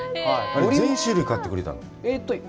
全種類買ってくれたの？